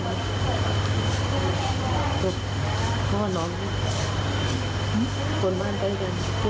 ก็เลยตกลุ่มกลัวว่าไม่ไปซะงั้น